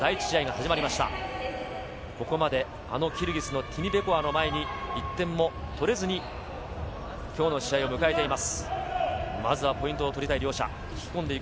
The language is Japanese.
ここまでキルギスのティニベコワの前に１点も取れずに今日の試合を迎えています。